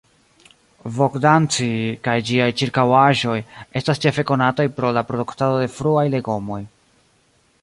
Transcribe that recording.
Bogdanci kaj ĝiaj ĉirkaŭaĵoj estas ĉefe konataj pro la produktado de fruaj legomoj.